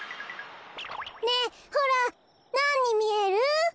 ねえほらなんにみえる？